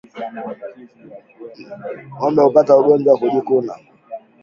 Ngombe hupata ugonjwa wa kujikuna